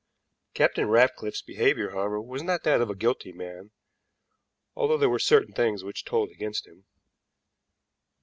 Captain Ratcliffe's behavior, however, was not that of a guilty man, although there were certain things which told against him.